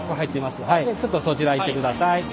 ちょっとそちら行ってください。